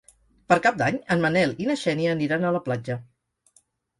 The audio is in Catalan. Per Cap d'Any en Manel i na Xènia aniran a la platja.